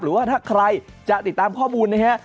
หรือว่าถ้าใครจะติดตามข้อมูลนะฮะ